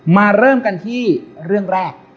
มาเริ่มกันที่เรื่องแรก